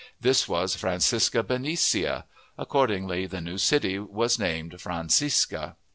This was Francisca Benicia; accordingly, the new city was named "Francisca."